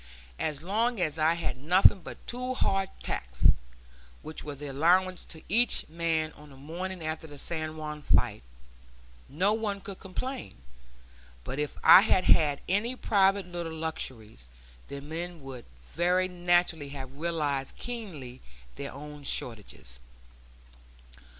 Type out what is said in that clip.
As long as I had nothing but two hardtacks, which was the allowance to each man on the morning after the San Juan fight, no one could complain; but if I had had any private little luxuries the men would very naturally have realized keenly their own shortages.